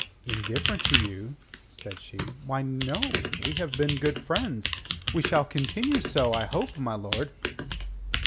"Indifferent to you?" said she. "Why, no. We have been good friends; we shall continue so, I hope, my lord."